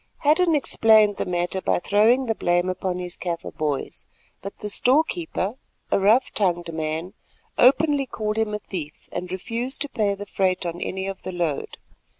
Hadden explained the matter by throwing the blame upon his Kaffir "boys," but the storekeeper, a rough tongued man, openly called him a thief and refused to pay the freight on any of the load.